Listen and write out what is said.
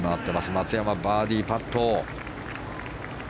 松山、バーディーパット。